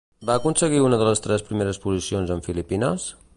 Va aconseguir una de les tres primeres posicions en Filipines?